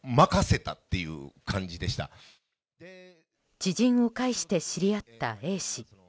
知人を介して知り合ったＡ氏。